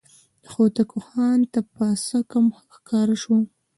د هوتکو خان ته پسه کم ښکاره شو.